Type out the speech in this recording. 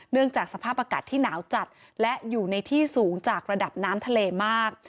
จากสภาพอากาศที่หนาวจัดและอยู่ในที่สูงจากระดับน้ำทะเลมาก